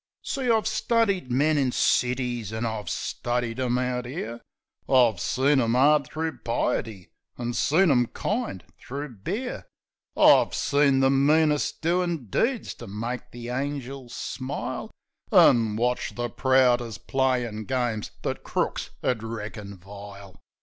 "} See, I've studied men in cities, an' I've studied 'em out 'ere; I've seen 'em 'ard thro' piety an' seen 'em kind thro' beer. I've seen the meanest doin' deeds to make the angels smile, An' watched the proudest playin' games that crooks 'ud reckon vile.